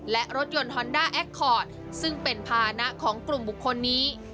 และรถยนต์ฮอนด้าแอคคอร์ดซึ่งเป็นภานะของกลุ่มบุคคลนี้